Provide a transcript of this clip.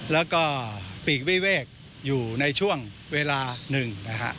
แล้วก็ปีกวิเวกอยู่ในช่วงเวลาหนึ่งนะฮะ